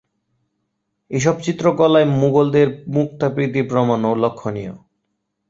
এসব চিত্রকলায় মুগলদের মুক্তা-প্রীতির প্রমাণও লক্ষণীয়।